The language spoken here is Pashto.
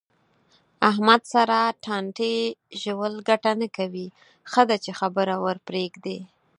احمد سره ټانټې ژول گټه نه کوي. ښه ده چې خبره ورپرېږدې.